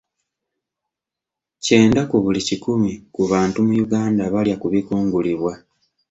Kyenda ku buli kikumu ku bantu mu Uganda balya ku bikungulibwa.